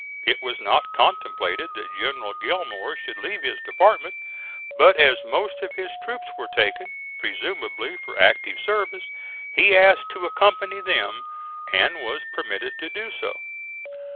It was not contemplated that General Gillmore should leave his department; but as most of his troops were taken, presumably for active service, he asked to accompany them and was permitted to do so.